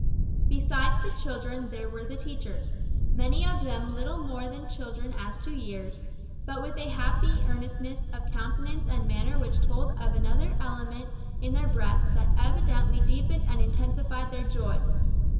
Besides the children there were the teachers many of them little more than children as to years, but with a happy earnestness of countenance and manner which told of another element in their breasts that evidently deepened and intensified their joy.